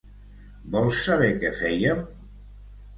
Vols saber què fèiem?